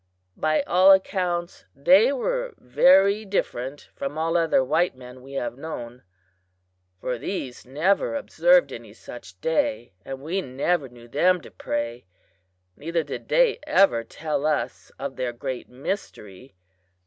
By all accounts they were very different from all other white men we have known, for these never observed any such day, and we never knew them to pray, neither did they ever tell us of their Great Mystery.